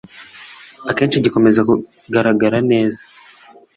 akenshi gikomeza kugaragara neza